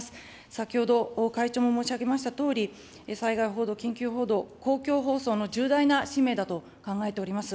先ほど、会長も申し上げましたとおり、災害報道、緊急報道、公共放送の重大な使命だと考えております。